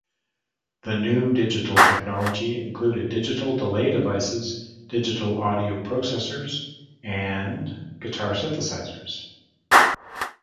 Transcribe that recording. The new digital technology included digital delay devices, digital audio processors, and guitar synthesizers.